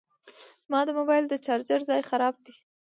زما د موبایل د چارجر ځای خراب دی